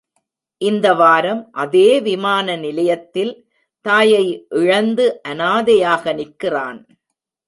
இந்த வாரம் அதே விமான நிலையத்தில் தாயை இழந்து அனாதையாக நிற்கிறான்.